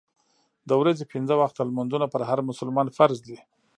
د ورځې پنځه وخته لمونځونه پر هر مسلمان فرض دي.